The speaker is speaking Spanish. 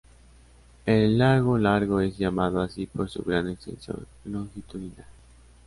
El Lago Largo era llamado así por su gran extensión longitudinal.